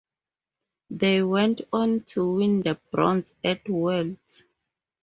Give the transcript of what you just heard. They went on to win the bronze at Worlds.